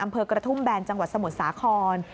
อำเภอกระทุ่มแบนจังหวัดสมุทรสาคร